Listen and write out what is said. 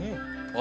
あ！